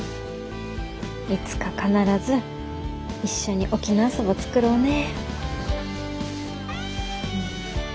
いつか必ず一緒に沖縄そば作ろうね。